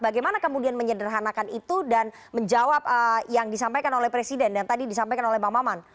bagaimana kemudian menyederhanakan itu dan menjawab yang disampaikan oleh presiden dan tadi disampaikan oleh bang maman